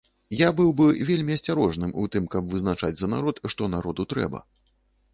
Я быў бы вельмі асцярожным ў тым, каб вызначаць за народ, што народу трэба.